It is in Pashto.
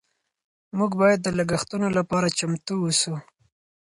موږ باید د لګښتونو لپاره چمتو اوسو.